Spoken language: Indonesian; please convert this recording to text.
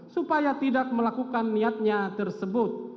supaya tidak melakukan niatnya tersebut